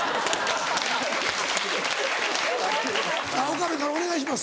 岡部からお願いします。